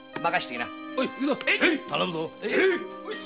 頼むぞ。